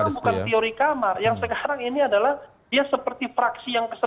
karena bukan teori kamar yang sekarang ini adalah dia seperti fraksi yang ke satu